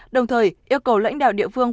đồng thời yêu cầu lãnh đạo địa phương